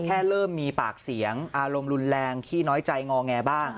เริ่มมีปากเสียงอารมณ์รุนแรงขี้น้อยใจงอแงบ้าง